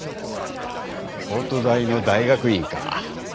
東都大の大学院か。